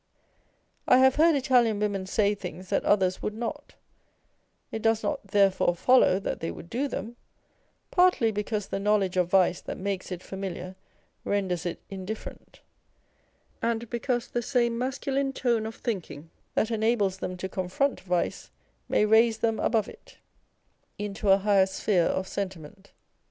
I have heard Italian women say things that others would not â€" it docs not therefore follow that they would do them : partly because the knowledge of vice that makes it familiar renders it indifferent ; and because the same masculine tone of thinking that enables them to confront vice, may raise them above it into a higher sphere of sentiment.